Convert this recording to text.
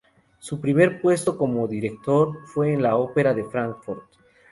Su primer puesto como director fue en la Ópera de Fráncfort.